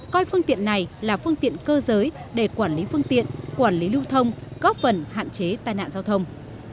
coi phương tiện này là phương tiện cơ giới để quản lý phương tiện quản lý lưu thông góp phần hạn chế tai nạn giao thông